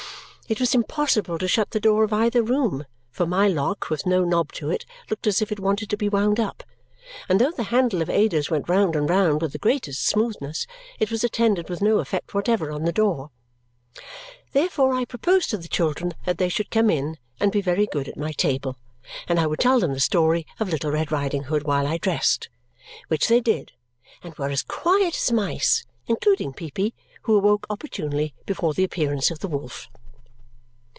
It was impossible to shut the door of either room, for my lock, with no knob to it, looked as if it wanted to be wound up; and though the handle of Ada's went round and round with the greatest smoothness, it was attended with no effect whatever on the door. Therefore I proposed to the children that they should come in and be very good at my table, and I would tell them the story of Little Red Riding Hood while I dressed; which they did, and were as quiet as mice, including Peepy, who awoke opportunely before the appearance of the wolf.